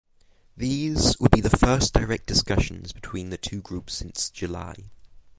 These would be the first direct discussions between the two groups since July.